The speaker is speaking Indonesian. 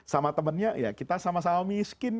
sama temennya ya kita sama sama miskin